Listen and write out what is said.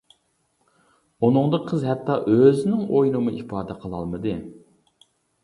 ئۇنىڭدا قىز ھەتتا ئۆزىنىڭ ئويىنىمۇ ئىپادە قىلالمىدى.